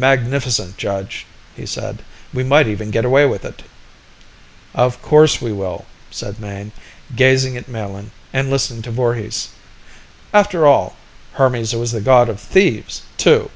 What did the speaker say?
"Magnificent, Judge!" he said. "We might even get away with it." "Of course we will," said Mayne, gazing at Melin and listening to Voorhis. "After all, Hermes was the god of thieves, too!"